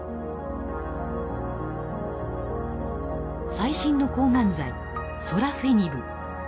最新の抗がん剤ソラフェニブ。